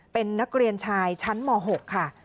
เป็นนักเรียนชายชั้นม๖ค่ะ